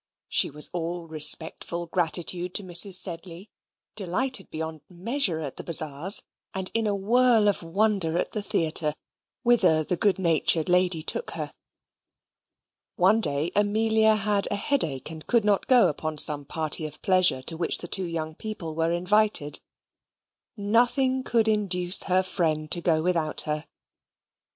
She was all respectful gratitude to Mrs. Sedley; delighted beyond measure at the Bazaars; and in a whirl of wonder at the theatre, whither the good natured lady took her. One day, Amelia had a headache, and could not go upon some party of pleasure to which the two young people were invited: nothing could induce her friend to go without her.